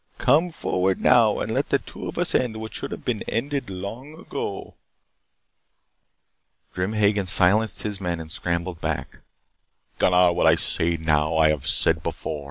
Come forward now and let the two of us end what should have been ended long ago "Grim Hagen silenced his men and screamed back: "Gunnar, what I say now I have said before.